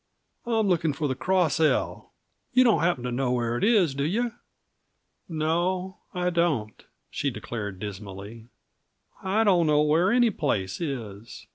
I'm looking for the Cross L; you don't happen to know where it is, do yuh?" "No I don't," she declared dismally. "I don't know where any place is.